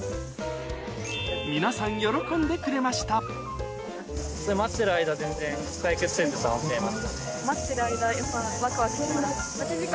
皆さん喜んでくれました待ってる間。